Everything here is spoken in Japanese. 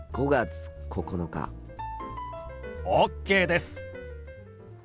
ＯＫです！